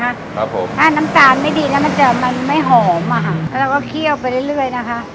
ครับผมถ้าน้ำตาลไม่ดีแล้วมันจะมันไม่หอมอ่ะค่ะแล้วเราก็เคี่ยวไปเรื่อยเรื่อยนะคะ